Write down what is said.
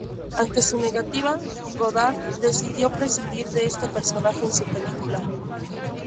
Ante su negativa, Godard decidió prescindir de este personaje en su película.